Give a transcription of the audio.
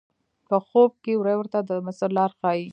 په خوب کې وری ورته د مصر لار ښیي.